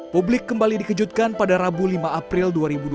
publik kembali dikejutkan pada rabu lima april dua ribu dua puluh